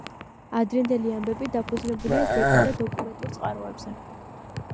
ადრინდელი ამბები დაფუძნებულია ზეპირ და დოკუმენტურ წყაროებზე.